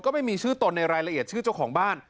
ก็ไม่มีชื่อตนในรายละเอียดชื่อเจ้าของบ้าน